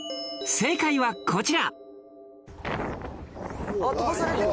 正解はこちら！